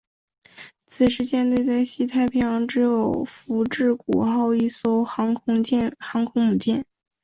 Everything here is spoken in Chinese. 此时舰队在西太平洋只有福治谷号一艘航空母舰。